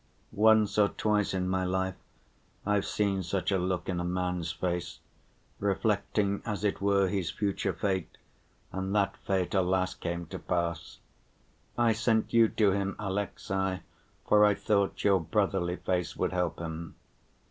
Once or twice in my life I've seen such a look in a man's face ... reflecting as it were his future fate, and that fate, alas, came to pass. I sent you to him, Alexey, for I thought your brotherly face would help him.